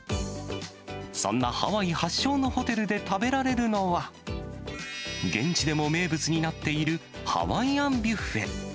そんなハワイ発祥のホテルで食べられるのは、現地でも名物になっているハワイアンビュッフェ。